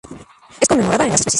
Es conmemorada en las especies